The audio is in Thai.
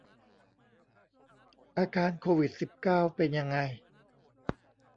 อาการโควิด สิบเก้า เป็นยังไง